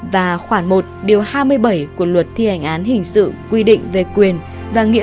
và khoảng một điều hai mươi bảy của luật thi hành án hình sự quy định về quyền và nghĩa